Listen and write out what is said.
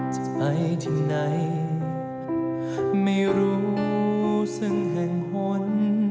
จะไปที่ไหนไม่รู้สึกแห่งหน